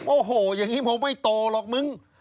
โอ้โหอย่างนี้ผมไม่โตหรอกมึง